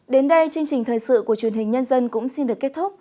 đến đây chương trình thời sự của truyền hình nhân dân cũng xin được kết thúc